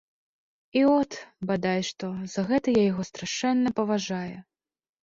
І от, бадай што, за гэта я яго страшэнна паважаю.